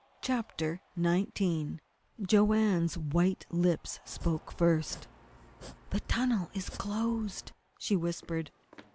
CHAPTER XIX Joanne's white lips spoke first. "The tunnel is closed!" she whispered.